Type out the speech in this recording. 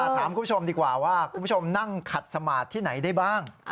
ถามคุณผู้ชมดีกว่าว่าคุณผู้ชมนั่งขัดสมาธิไหนได้บ้าง